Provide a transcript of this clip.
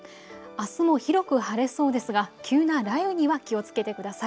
あすも広く晴れそうですが急な雷雨には気をつけてください。